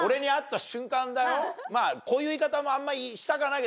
こういう言い方もあんまりしたくはないけど。